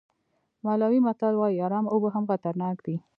مالاوي متل وایي ارامه اوبه هم خطرناک دي.